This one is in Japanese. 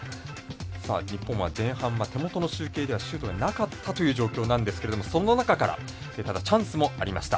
日本は前半手元の集計ではシュートがなかったという状況ですがその中からチャンスもありました。